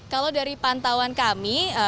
kalau dari pantauan kami